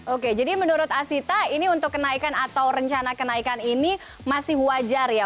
oke jadi menurut asita ini untuk kenaikan atau rencana kenaikan ini masih wajar ya